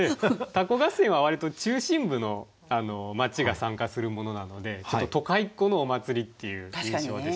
凧合戦は割と中心部の町が参加するものなのでちょっと都会っ子のお祭りっていう印象でした。